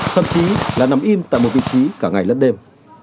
thậm chí là nằm im tại một vị trí cả ngày lất đêm